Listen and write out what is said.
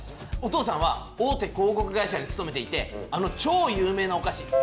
お父さんは大手広告会社に勤めていてあの超有名なおかし。